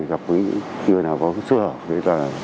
gặp những người nào có xuất hợp